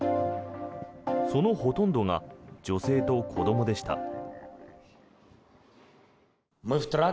そのほとんどが女性と子どもでした。